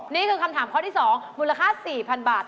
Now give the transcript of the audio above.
นี่คือคำถามข้อที่๒มูลค่า๔๐๐๐บาท